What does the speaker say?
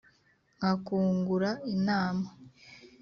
Nkakungura inama